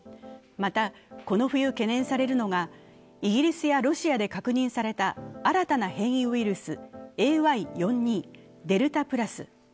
またこの冬、懸念されるのが、イギリスやロシアで確認された新たな変異ウイルス、ＡＹ．４．２＝デルタプラス。